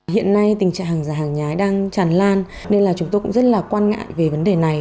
hiện nay tình trạng hàng giả hàng nhái đang tràn lan nên là chúng tôi cũng rất là quan ngại về vấn đề này